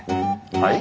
はい？